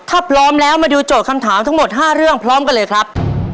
ถ้าพร้อมแล้วมาดูโจทย์คำถามทั้งหมด๕เรื่องพร้อมกันเลยครับ